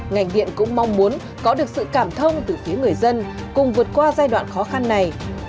ngành điện cũng mong muốn có được sự cảm thông từ phía người dân cùng vượt qua giai đoạn khó khăn này